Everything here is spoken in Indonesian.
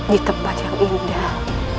di tempat yang indah